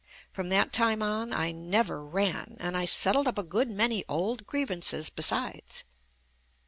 From that time on, I never ran, and I settled up a good many old grievances besides.